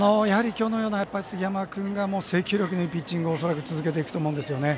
今日のように杉山君が制球力のいいピッチングを恐らく続けていくと思うんですね。